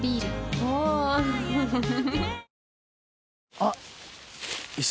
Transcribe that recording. あっ！